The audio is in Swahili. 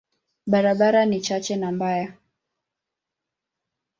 Barabara ni chache na mbaya.